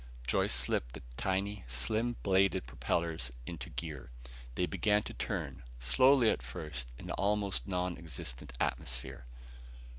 Joyce slipped the tiny, slim bladed propellers into gear. They began to turn, slowly at first in the almost non existent atmosphere.